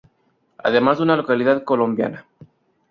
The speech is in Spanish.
Además de una localidad colombiana.